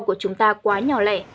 của chủ trương này